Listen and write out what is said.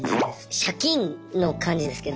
借金の感じですけど。